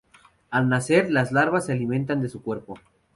Al nacer, las larvas se alimentan de su cuerpo.